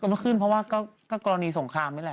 ไม่ขึ้นเพราะว่าก็กรณีสงครามนี่แหละ